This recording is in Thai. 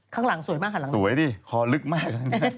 ข้างหลังสวยมากหันหลังสวยดิคอลึกมาก